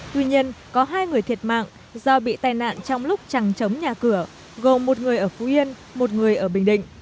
tuy nhiên có hai người thiệt mạng do bị tai nạn trong lúc chẳng chống nhà cửa gồm một người ở phú yên một người ở bình định